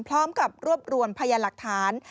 พร้อมกับรวบรวมพยานหลักฐาน